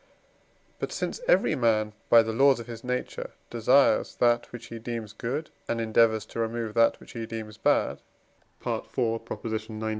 But, since every man by the laws of his nature desires that which he deems good, and endeavours to remove that which he deems bad (IV. xix.)